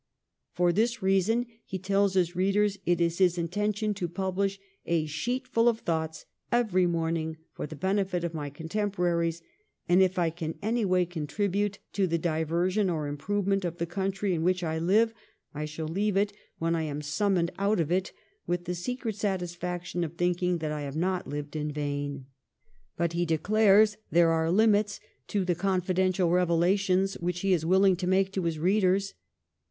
For this reason, he tells his readers, it is his intention to ' pubUsh a sheet full of thoughts every morning, for the benefit of my contemporaries ; and if I can anyway contribute to the diversion or improvement of the country in which I live, I shall leave it when I am summoned out of it, with the secret satisfaction of thinking that 182 THE EEIGN OF QUEEN ANNE. ch. xxix. I have not lived in vain/ But he declares there are limits to the confidential revelations which he is willing to make to his readers.